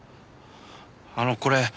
あのこれ。